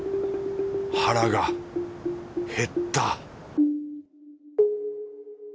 腹が減った